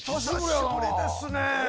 久しぶりですね。